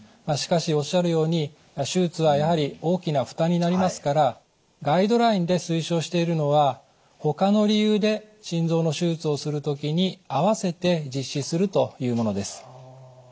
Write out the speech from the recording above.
しかしおっしゃるように手術はやはり大きな負担になりますからガイドラインで推奨しているのは他の理由で心臓の手術をする時に併せて実施するというものです。